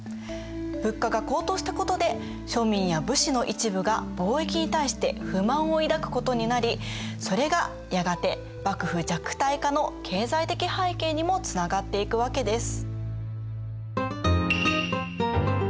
物価が高騰したことで庶民や武士の一部が貿易に対して不満を抱くことになりそれがやがて幕府弱体化の経済的背景にもつながっていくわけです。